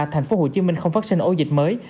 tp hcm không phát sinh ổ dịch mới